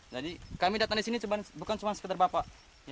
jadi kami datang disini bukan cuma sekedar bapak